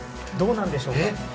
どうなんでしょうか。